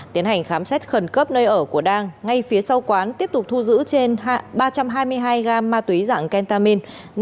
tiến hành khám xét khẩn cấp nơi ở của đăng ngay phía sau quán tiếp tục thu giữ trên ba trăm hai mươi hai gam ma túy dạng kentamin